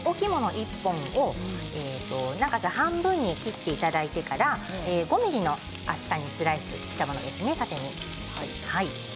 １本を半分に切っていただいてから５ｍｍの厚さにスライスしたものですね、縦に。